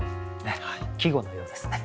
季語のようですね。